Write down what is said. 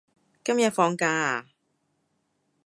今日放假啊？